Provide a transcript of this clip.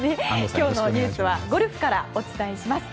今日のニュースはゴルフからお伝えします。